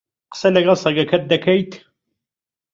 قسە لەگەڵ سەگەکەت دەکەیت؟